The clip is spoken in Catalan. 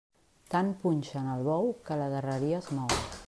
Tant punxen al bou, que a la darreria es mou.